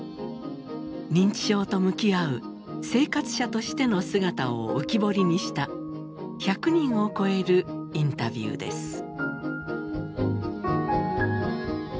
認知症と向き合う生活者としての姿を浮き彫りにした１００人を超えるインタビューです。